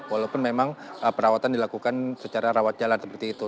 walaupun memang perawatan dilakukan secara rawat jalan seperti itu